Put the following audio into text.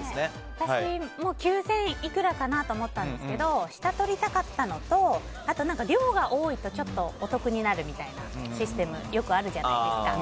私、９０００いくらかなと思ったんですけど下とりたかったのとあと、量が多いとちょっとお得になるみたいなシステムよくあるじゃないですか。